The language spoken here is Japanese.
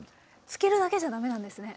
つけるだけじゃだめなんですね。